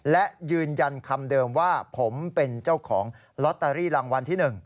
และยืนยันคำเดิมว่าผมเป็นเจ้าของลอตเตอรี่รางวัลที่๑